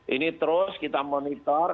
ini terus kita monitor